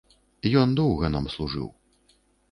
Ён доўга нам служыў.